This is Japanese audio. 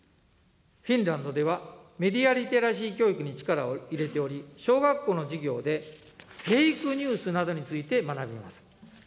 フィンランドでは、メディアリテラシー教育に力を入れており、小学校の授業でフェイクニュースなどについて学びます。